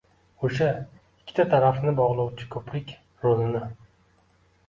o‘sha – ikki tarafni bog‘lovchi ko‘prik rolini